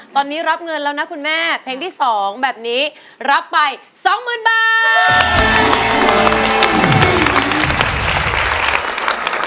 ตอนนี้รับเงินแล้วนะคุณแม่เพลงที่๒แบบนี้รับไป๒๐๐๐บาท